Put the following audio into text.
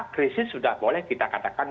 krisis sudah boleh kita katakan